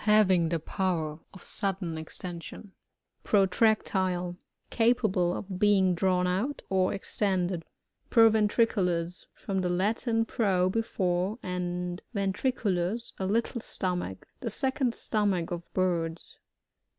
Having the power of sudden' extension. Protractile. — Capable of being drawn out, or extended. Provbntricdlus. — From, the Latiot pro, before, and ventriculua, a little stomach. The second stomach of birds.